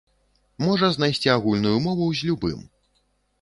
Можа знайсці агульную мову з любым.